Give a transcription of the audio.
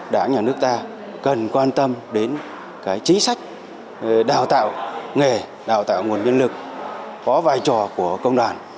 đảng nhà nước ta cần quan tâm đến chính sách đào tạo nghề đào tạo nguồn nhân lực có vai trò của công đoàn